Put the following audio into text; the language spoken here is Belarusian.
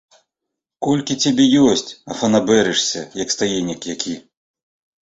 Колькі цябе ёсць, а фанабэрышся, як стаеннік які!